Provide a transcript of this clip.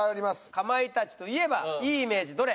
かまいたちといえばいいイメージどれ？